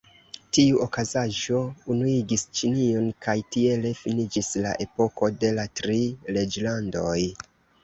Tiu okazaĵo unuigis Ĉinion, kaj tiele finiĝis la epoko de la Tri Reĝlandoj.